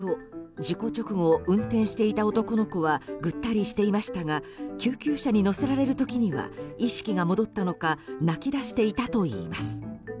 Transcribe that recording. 目撃者によると事故直後運転していた男の子はぐったりしていましたが救急車に乗せられる際には泣き出していたといいます。